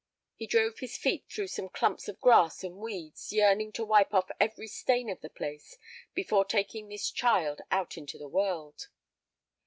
He drove his feet through some clumps of grass and weeds, yearning to wipe off every stain of the place before taking this child out into the world.